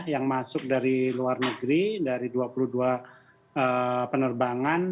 yang masuk dari luar negeri dari dua puluh dua penerbangan